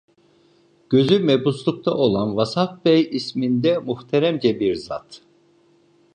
Gözü mebuslukta olan Vasaf Bey isminde muhteremce bir zat: